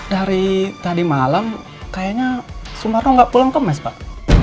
dari tadi malam kayaknya sumarno nggak pulang ke mes pak